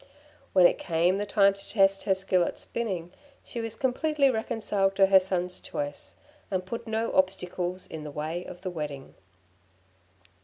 When it came to the time to test her skill at spinning, she was completely reconciled to her son's choice, and put no obstacles in the way of the wedding.